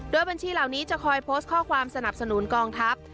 โดยบัญชีเหล่านี้จะคอยโพสต์ข้อความสนับสนุนกองทัพ